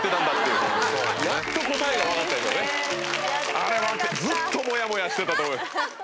あれはずっとモヤモヤしてたと思います。